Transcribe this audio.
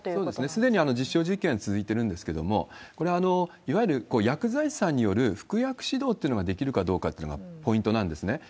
すでに実証実験続いてるんですけれども、これ、いわゆる薬剤師さんによる服薬指導というのができるかどうかというのがポイントなんですね。